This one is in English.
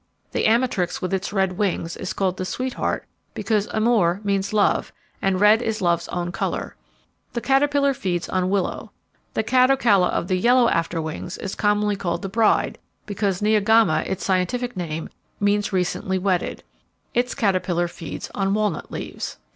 The Amatrix, with its red wings, is called the Sweetheart because amor means love, and red is love's own colour. The caterpillar feeds on willow. The Catocala of the yellow "after wings" is commonly called the Bride, because Neogama, its scientific name, means recently wedded. Its caterpillar feeds on walnut leaves.